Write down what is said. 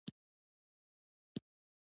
له جېبې قلم راواييستل شو.